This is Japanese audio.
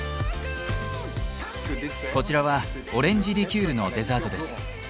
こちらはオレンジリキュールのデザートです。